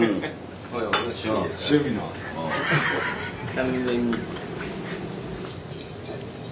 ・完全に。